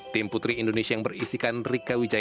tim putri indonesia yang berisikan rika wijaya